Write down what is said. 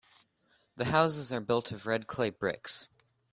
The houses are built of red clay bricks.